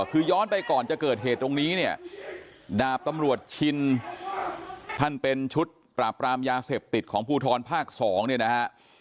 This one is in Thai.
คือย้อนไปก่อนจะเกิดเหตุตรงนี้เนี่ยดาบตำรวจชินท่านเป็นชุดปราบปรามยาเสพติดของภูทรภาค๒เนี่ยนะฮะ